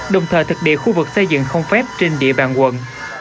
đồng thời thực địa khu vực xây dựng không phép trên địa bàn quận